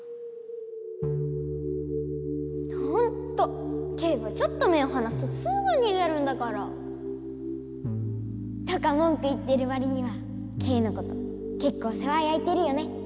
ほんとケイはちょっと目をはなすとすぐにげるんだから！とか文句言ってるわりにはケイのことけっこう世話やいてるよね。